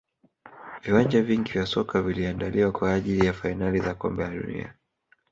viwanja vingi vya soka viliandaliwa kwa ajili ya fainali za kombe la dunia